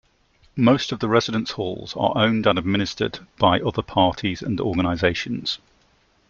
Most of the residence halls are owned and administered by other parties and organizations.